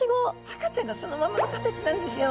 赤ちゃんがそのままの形なんですよ。